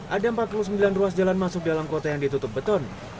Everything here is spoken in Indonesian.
ada empat puluh sembilan ruas jalan masuk dalam kota yang ditutup beton